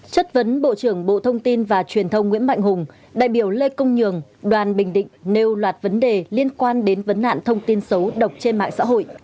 chất vấn bộ trưởng bộ thông tin và truyền thông nguyễn mạnh hùng đại biểu lê công nhường đoàn bình định nêu loạt vấn đề liên quan đến vấn nạn thông tin xấu độc trên mạng xã hội